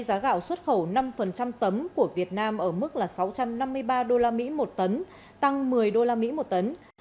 giá gạo xuất khẩu năm tấm của việt nam ở mức là sáu trăm năm mươi ba usd một tấn tăng một mươi usd một tấn